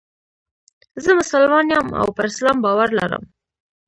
زه مسلمان یم او پر اسلام باور لرم.